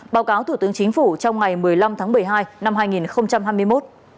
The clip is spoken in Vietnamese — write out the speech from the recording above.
báo cáo thủ tướng chính phủ trong ngày một mươi năm tháng một mươi hai năm hai nghìn hai mươi một